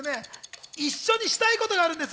一緒にしたいことがあるんです。